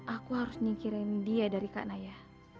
aku harus nyikirin dia dari kanaya